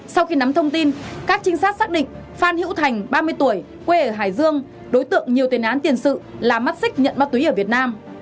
sau khi nắm thông tin các trinh sát xác định phan hữu thành ba mươi tuổi quê ở hải dương đối tượng nhiều tiền án tiền sự là mắt xích nhận ma túy ở việt nam